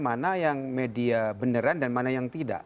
mana yang media beneran dan mana yang tidak